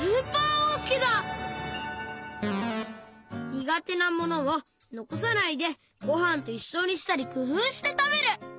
にがてなものをのこさないでごはんといっしょにしたりくふうしてたべる！